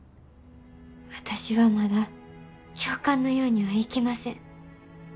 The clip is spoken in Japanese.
私はまだ教官のようにはいきません。